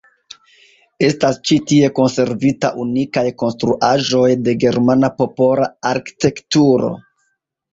Estas ĉi tie konservita unikaj konstruaĵoj de germana popola arkitekturo.